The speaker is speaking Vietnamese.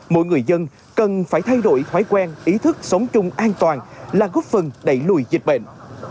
mỗi người dân cần phải thay đổi thói quen ý thức sống chung an toàn là góp phần đẩy lùi dịch bệnh